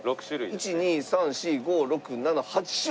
１２３４５６７。